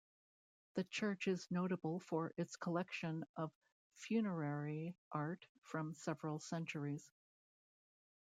The church is notable for its collection of funerary art from several centuries.